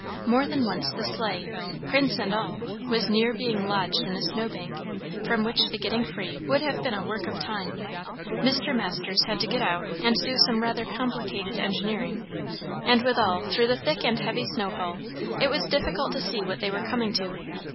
More than once the sleigh, Prince and all, was near being lodged in a snow bank, from which the getting free would have been a work of time; Mr. Masters had to get out and do some rather complicated engineering; and withal, through the thick and heavy snowfall it was difficult to see what they were coming to.